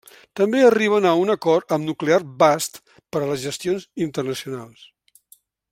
També arriben a un acord amb Nuclear Blast per a les gestions internacionals.